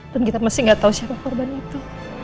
dan kita mesti gak tahu siapa korban itu